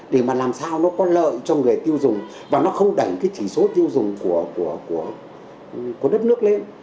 để mà làm sao nó có lợi cho người tiêu dùng và nó không đẩy cái chỉ số tiêu dùng của đất nước lên